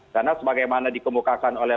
karena sebagaimana dikemukakan oleh